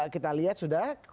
kita lihat sudah